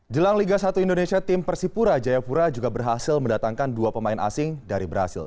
jelang liga satu indonesia tim persipura jayapura juga berhasil mendatangkan dua pemain asing dari brazil